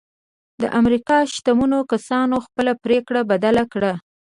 د امريکا شتمنو کسانو خپله پرېکړه بدله کړه.